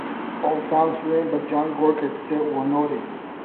All songs written by John Gorka except where noted.